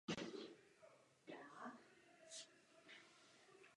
Lidé jej mohou spatřit i na zahradách a poblíž lidského obydlí.